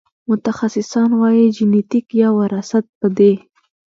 متخصصان وايي جنېتیک یا وراثت په دې